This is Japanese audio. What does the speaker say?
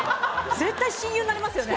絶対親友になれますよね